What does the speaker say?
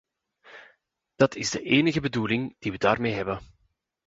Dat is de enige bedoeling die we daarmee hebben.